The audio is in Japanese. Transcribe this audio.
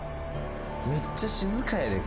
めっちゃ静かやで。